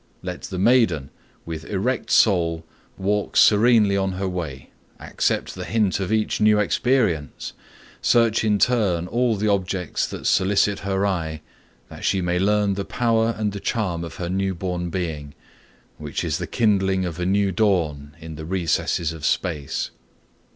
Let the maiden, with erect soul, walk serenely on her way, accept the hint of each new experience, search in turn all the objects that solicit her eye, that she may learn the power and the charm of her new born being, which is the kindling of a new dawn in the recesses of space.